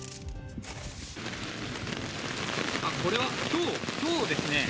あっ、これはひょう、ひょうですね。